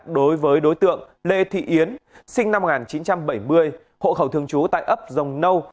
đối với đối tượng lê thị yến sinh năm một nghìn chín trăm bảy mươi hộ khẩu thương chú tại ấp dông nâu